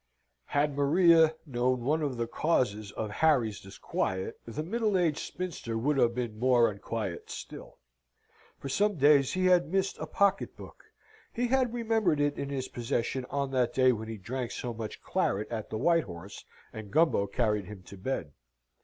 Had Maria known one of the causes of Harry's disquiet, the middle aged spinster would have been more unquiet still. For some days he had missed a pocket book. He had remembered it in his possession on that day when he drank so much claret at the White Horse, and Gumbo carried him to bed.